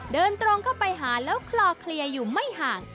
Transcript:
เดินตรงเข้าไปหาแล้วคลอเคลียร์อยู่ไม่ห่าง